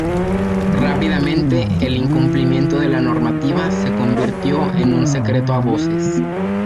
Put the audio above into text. Rápidamente, el incumplimiento de la normativa se convirtió en un secreto a voces.